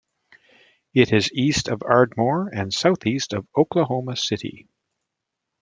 It is east of Ardmore and southeast of Oklahoma City.